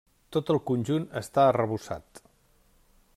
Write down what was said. Tot el conjunt està arrebossat.